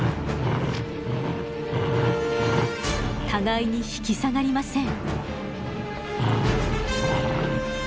互いに引き下がりません。